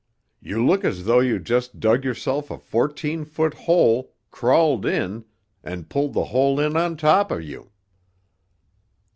"You look as though you just dug yourself a fourteen foot hole, crawled in, and pulled the hole in on top of you."